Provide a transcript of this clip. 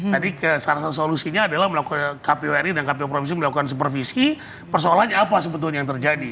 tadi salah satu solusinya adalah melakukan kpu ri dan kpu provinsi melakukan supervisi persoalannya apa sebetulnya yang terjadi